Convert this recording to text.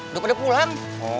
udah pada pulang